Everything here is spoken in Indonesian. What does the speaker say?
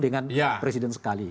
dan presiden sekali